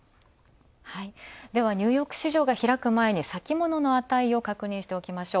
ではニューヨーク市場が開く前に先物を確認しておきましょう。